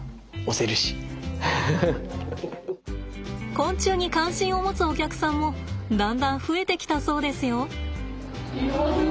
昆虫に関心を持つお客さんもだんだん増えてきたそうですよ。